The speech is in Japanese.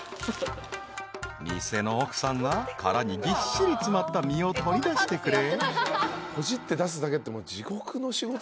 ［店の奥さんは殻にぎっしり詰まった身を取り出してくれ］